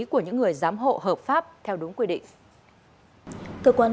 của những người giám hộ hợp pháp theo đúng quy định